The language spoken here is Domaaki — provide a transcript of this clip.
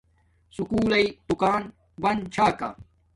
سکُول لݵ دوکان بن چھا کا